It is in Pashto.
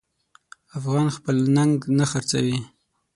افغان خپل ننګ نه خرڅوي.